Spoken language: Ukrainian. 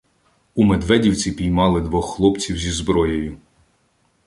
У Медведівці піймали двох хлопців зі зброєю.